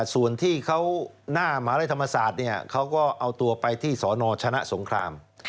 ส่วนที่เขาหน้าหมาลัยธรรมศาสตร์เขาก็เอาตัวไปที่สนชนะสงคราม